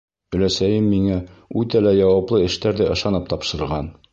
Өләсәйем миңә үтә лә яуаплы эштәрҙе ышанып тапшырған.